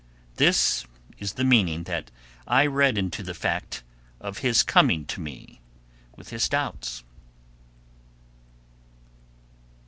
This is the meaning that I read into the fact of his coming to me with those doubts.